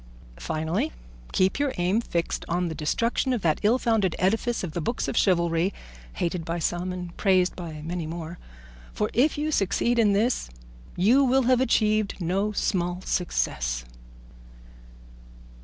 Finally, keep your aim fixed on the destruction of that ill founded edifice of the books of chivalry, hated by some and praised by many more; for if you succeed in this you will have achieved no small success."